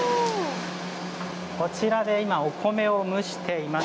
こちらで今、お米を蒸しています。